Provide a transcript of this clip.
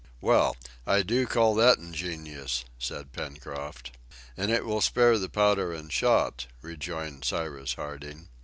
"Well! I do call that ingenious!" said Pencroft. "And it will spare the powder and shot," rejoined Cyrus Harding.